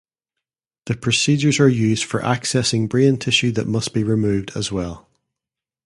The procedures are used for accessing brain tissue that must be removed, as well.